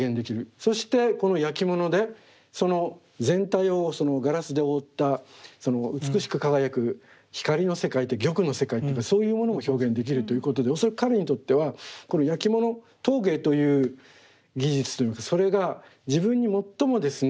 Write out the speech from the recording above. そしてこのやきものでその全体をガラスで覆った美しく輝く光の世界玉の世界というかそういうものも表現できるということで恐らく彼にとってはこのやきもの陶芸という技術といいますかそれが自分に最もですね